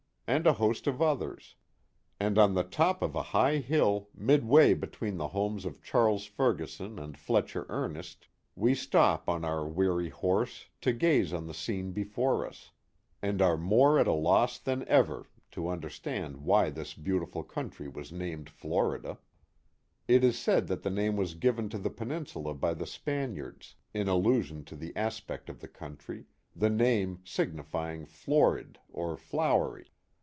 and a host of others, — and on the top of a high hill, midway between the homes of Charles Ferguson and Fletcher Ernest, we stop our weary horse to gaze on the scene before us, and are more at a loss than ever to under Canajoharie — The Hills of Florida 401 stand why this beautiful country was named Florida. It is said that the name was given to the peninsula by the Span iards, in allusion to the aspect of the country, the name signifying florid or flowery.